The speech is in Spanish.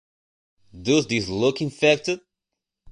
Does This Look Infected?